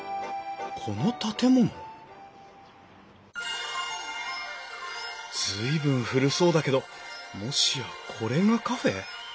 この建物随分古そうだけどもしやこれがカフェ？